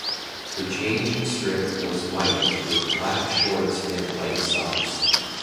The change strip was white, with black shorts and white socks.